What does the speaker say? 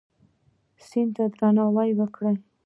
سیند ته درناوی وکړه.